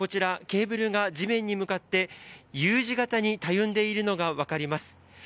ケーブルが地面に向かってＵ字形にたゆんでいるのが分かります。